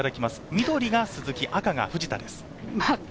緑が鈴木、赤が藤田です。